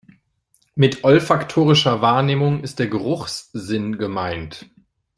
Mit olfaktorischer Wahrnehmung ist der Geruchssinn gemeint.